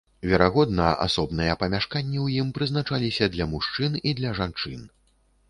Верагодна, асобныя памяшканні ў ім прызначаліся для мужчын і для жанчын.